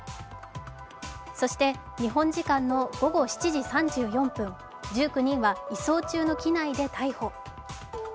そして、日本時間の午後７時３４分、１９人は移送中の機内で逮捕。